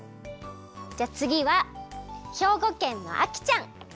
じゃあつぎは兵庫県のあきちゃん。